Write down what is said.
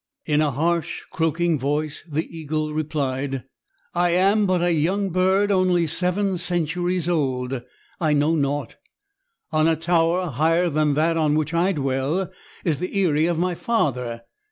In a harsh croaking voice, the eagle replied, "I am but a young bird, only seven centuries old. I know naught. On a tower higher than that on which I dwell, is the eyrie of my father.